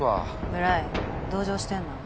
村井同情してんの？